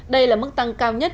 đây là mức tăng cao nhất